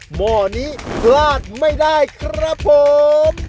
หม้อนี้พลาดไม่ได้ครับผม